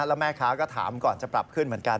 แล้วแม่ค้าก็ถามก่อนจะปรับขึ้นเหมือนกัน